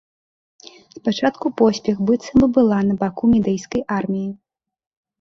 Спачатку поспех быццам бы была на баку мідыйскай арміі.